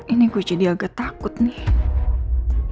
ini kok jadi agak takut nih